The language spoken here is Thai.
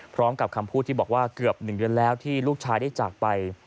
พร้อมกับคำพูดที่บอกว่าเกือบ๑เดือนแล้วที่ลูกชายได้จากไป